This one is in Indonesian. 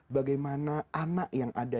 bagaimana anak yang ada